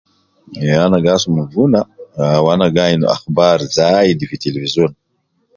Ya ana gi asuma guna, wu ana gi ayin akhbar milan fi television